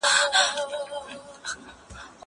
زه له سهاره کښېناستل کوم!